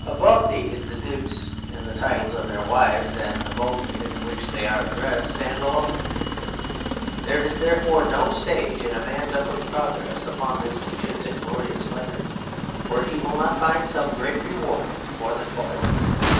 Above these, the dukes in the titles of their wives and the mode in which they are addressed stand alone. There is, therefore, no stage in a man's upward progress upon this ancient and glorious ladder where he will not find some great reward for the toil of ascending.